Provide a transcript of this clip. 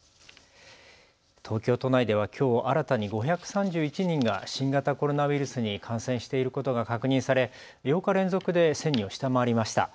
東京都内ではきょう、新たに５３１人が新型コロナウイルスに感染していることが確認され８日連続で１０００人を下回りました。